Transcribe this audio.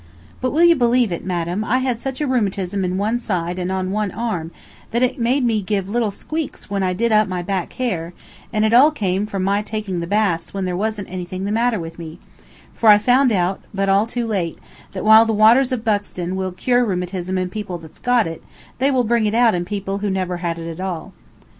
But will you believe it, madam, I had such a rheumatism in one side and one arm that it made me give little squeaks when I did up my back hair, and it all came from my taking the baths when there wasn't anything the matter with me; for I found out, but all too late, that while the waters of Buxton will cure rheumatism in people that's got it, they will bring it out in people who never had it at all.